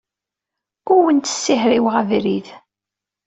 Ur awent-ssihriweɣ abrid.